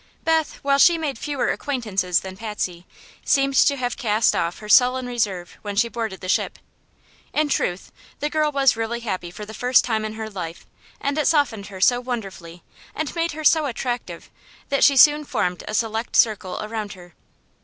Beth, while she made fewer acquaintances than Patsy, seemed to have cast off her sullen reserve when she boarded the ship. In truth, the girl was really happy for the first time in her life, and it softened her so wonderfully and made her so attractive that she soon formed a select circle around her.